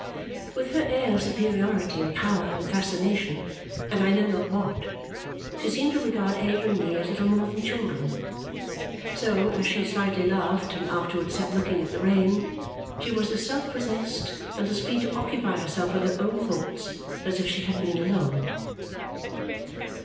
With her air of superiority, and power, and fascination, and I know not what, she seemed to regard Ada and me as little more than children. So, as she slightly laughed and afterwards sat looking at the rain, she was as self possessed and as free to occupy herself with her own thoughts as if she had been alone.